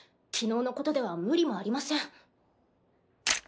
昨日のことでは無理もありません。